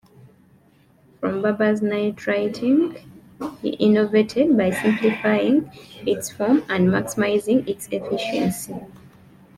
From Barbier's night writing, he innovated by simplifying its form and maximizing its efficiency.